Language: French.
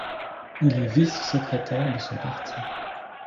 Il est vice-secrétaire de son parti.